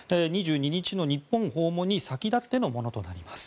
２２日の日本訪問に先立ってのものとなります。